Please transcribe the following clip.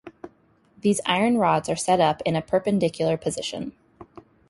These iron rods are set up in a perpendicular position.